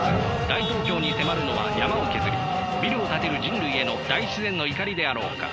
大東京に迫るのは山を削りビルを建てる人類への大自然の怒りであろうか。